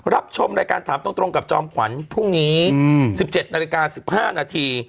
รับชมรายการถามตรงกับจอมขวัญพรุ่งนี้๑๗นาฬิกา๑๕นาที